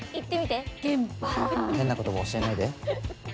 変な言葉、教えないで。